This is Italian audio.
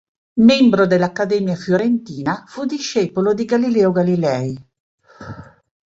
Membro dell'Accademia fiorentina, fu discepolo di Galileo Galilei.